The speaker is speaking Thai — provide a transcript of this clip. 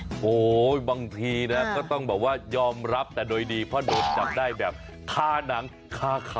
โหบางทีก็ต้องบอกว่ายอมรับแต่โดยดีเพราะโดนจับได้แบบฆ่านั้นฆ่าเขา